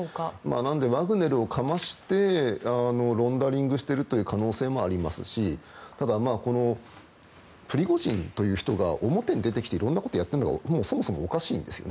なのでワグネルをかましてロンダリングしてる可能性もありますしただ、プリゴジンという人が表に出てきていろんなことをやっているのがそもそもおかしいんですね。